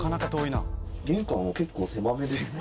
玄関は結構狭めですね。